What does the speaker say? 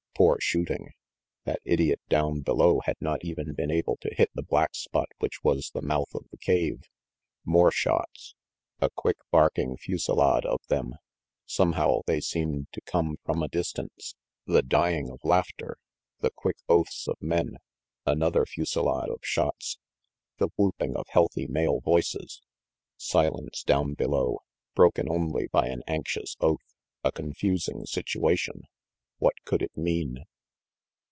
Poor shooting. That idiot down below had not even been able to hit the black spot which was the mouth of the cave more shots. A quick, barking fusilade of them. Somehow they seemed to come from a distance. The dying of laughter, the quick oaths of men. Another fusilade of shots the whooping of healthy male voices. Silence down below, broken only by an anxious oath a confusing situation. What could it mean?